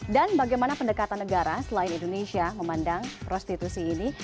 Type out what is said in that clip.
bagaimana pendekatan negara selain indonesia memandang prostitusi ini